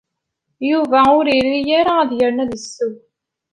Yuba ur iri ara ad yernu ad isew.